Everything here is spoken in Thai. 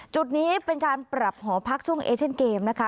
จุดนี้เป็นการปรับหอพักช่วงเอเชนเกมนะคะ